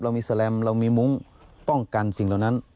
เรามีแลมเรามีมุ้งป้องกันสิ่งเหล่านั้น